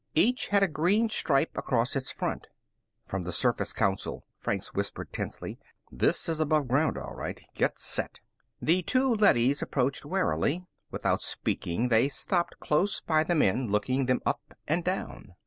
Each had a green stripe across its front. "From the Surface Council," Franks whispered tensely. "This is above ground, all right. Get set." The two leadys approached warily. Without speaking, they stopped close by the men, looking them up and down.